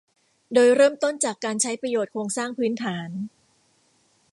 โดยเริ่มต้นจากการใช้ประโยชน์โครงสร้างพื้นฐาน